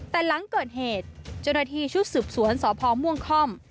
แต่หลังเกิดเหตุเจ้าหน้าที่ชุดสืบสวนสพม่วงค่อม